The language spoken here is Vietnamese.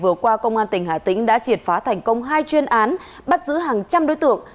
vừa qua công an tỉnh hà tĩnh đã triệt phá thành công hai chuyên án bắt giữ hàng trăm đối tượng